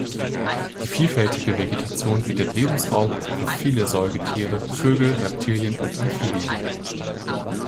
Die vielfältige Vegetation bietet Lebensraum für viele Säugetiere, Vögel, Reptilien und Amphibien.